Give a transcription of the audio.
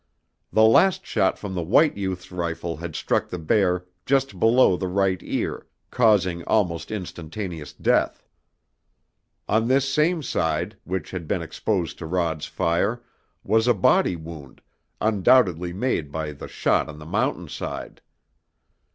The last shot from the white youth's rifle had struck the bear just below the right ear, causing almost instantaneous death. On this same side, which had been exposed to Rod's fire, was a body wound, undoubtedly made by the shot on the mountain side.